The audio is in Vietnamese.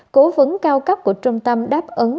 cố vấn cao cấp của trung tâm đáp ứng